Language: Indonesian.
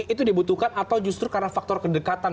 itu dibutuhkan atau justru karena faktor kedekatan